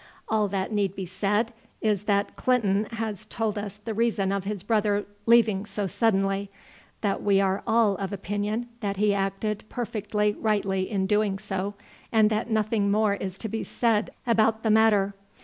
All that need be said is that Clinton has told us the reason of his brother leaving so suddenly, that we are all of opinion that he acted perfectly rightly in doing so, and that nothing more is to be said about the matter.